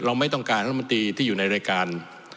ไม่ต้องการรัฐมนตรีที่อยู่ในรายการ